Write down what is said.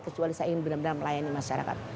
kecuali saya ingin benar benar melayani masyarakat